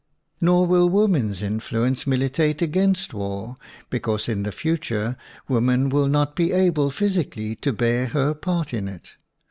Nor will woman's influence militate against war because in the future wom an will not be able physically to bear her part in it.